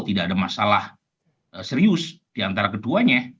tidak ada masalah serius di antara keduanya